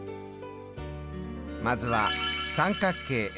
まずは三角形